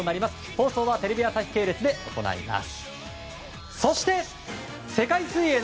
放送はテレビ朝日系列で行います。